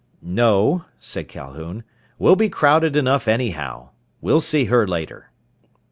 _" "No," said Calhoun. "We'll be crowded enough anyhow. We'll see her later."